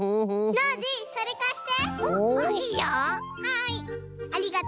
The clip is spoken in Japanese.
ノージーそれかして！